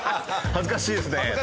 恥ずかしいよね。